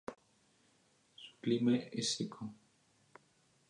Su clima es seco.